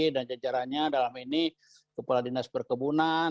jajarannya dalam ini kepala dinas perkebunan